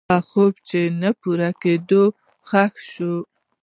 هغه خوب چې نه پوره کېده، ښخ شو.